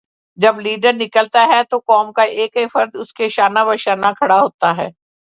جب لیڈر نکلتا ہے تو قوم کا ایک ایک فرد اسکے شانہ بشانہ کھڑا ہوتا ہے۔